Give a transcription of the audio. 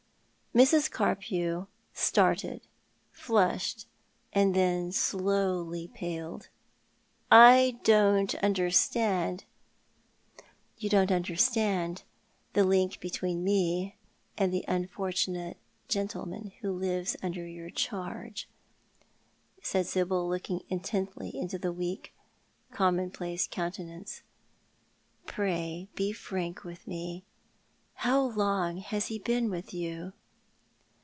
Mrs. Carpew started, flushed, and then slowly paled. " I don't understand." " You don't understand the link between me and the unfortu nate gentleman who lives under your charge," said Sibyl, looking intently into the weak, commonplace countenance. " Pray be frank with me. How long has he been with you